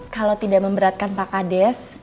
kalau tidak memberatkan pak kades